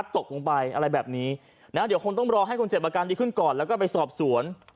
เดี๋ยวคงต้องรอให้คนเจ็บอาการดีขึ้นก่อนแล้วก็ไปสอบสวน